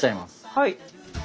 はい。